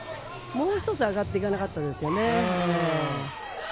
もう一つ上がっていかなかったですよね。